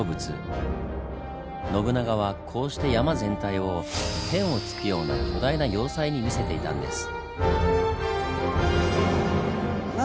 信長はこうして山全体を天を突くような巨大な要塞に見せていたんです。